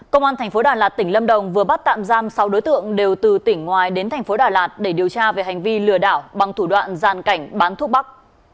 công an thành phố đà lạt tỉnh lâm đồng vừa bắt tạm giam sáu đối tượng đều từ tỉnh ngoài đến thành phố đà lạt để điều tra về hành vi lừa đảo bằng thủ đoạn gian cảnh bán thuốc bắc